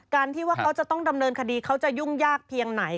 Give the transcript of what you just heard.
ที่ว่าเขาจะต้องดำเนินคดีเขาจะยุ่งยากเพียงไหน